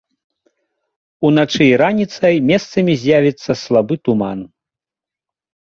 Уначы і раніцай месцамі з'явіцца слабы туман.